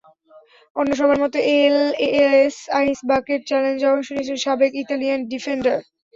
অন্য সবার মতো এএলএস আইস বাকেট চ্যালেঞ্জে অংশ নিয়েছেন সাবেক ইতালিয়ান ডিফেন্ডার।